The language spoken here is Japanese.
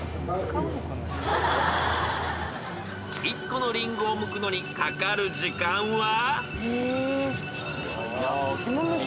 ［１個のリンゴをむくのにかかる時間は？］